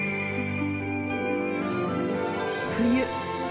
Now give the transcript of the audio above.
冬。